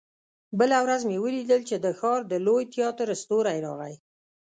بله ورځ مې ولیدل چې د ښار د لوی تياتر ستورى راغی.